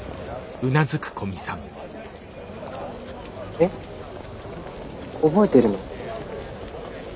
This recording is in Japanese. えっ覚えてるの？